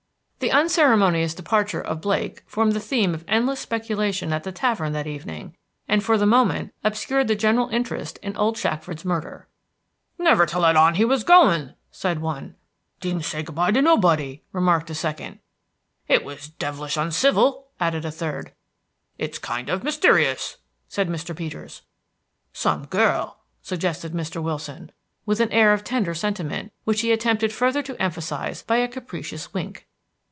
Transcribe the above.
The unceremonious departure of Blake formed the theme of endless speculation at the tavern that evening, and for the moment obscured the general interest in old Shackford's murder. "Never to let on he was goin'!" said one. "Didn't say good by to nobody," remarked a second. "It was devilish uncivil," added a third. "It is kind of mysterious," said Mr. Peters. "Some girl," suggested Mr. Willson, with an air of tender sentiment, which he attempted further to emphasize by a capricious wink.